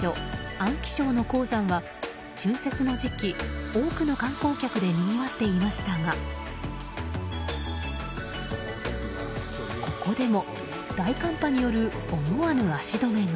安徽省の黄山は春節の時期、多くの観光客でにぎわっていましたがここでも大寒波による思わぬ足止めが。